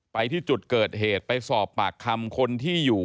ไปที่จุดเกิดเหตุไปสอบปากคำคนที่อยู่